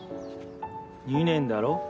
２年だろ。